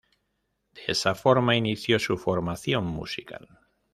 De esa forma inició su formación musical.